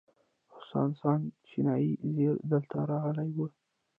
هسوان سانګ چینایي زایر دلته راغلی و